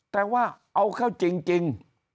แต่ว่าเอาเข้าจริง